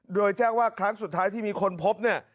โดยแจ้งว่าครั้งสุดท้ายที่มีคนพบเนี่ย